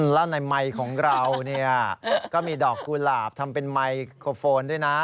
แล้วในไมค์ของเราเนี่ยก็มีดอกกุหลาบทำเป็นไมโครโฟนด้วยนะ